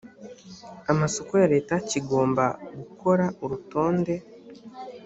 amasoko ya leta kigomba gukora urutonde